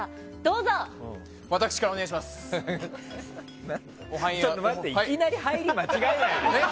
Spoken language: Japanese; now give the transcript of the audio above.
いきなり入り、間違えないでよ！